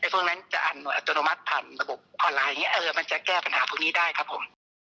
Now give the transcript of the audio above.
พวกนั้นจะอัตโนมัติผ่านระบบออนไลน์อย่างนี้มันจะแก้ปัญหาพวกนี้ได้ครับผม